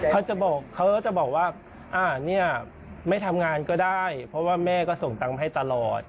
เขาจะบอกว่าไม่ทำงานก็ได้เพราะว่าแม่ก็ส่งตังค์ให้ตลอด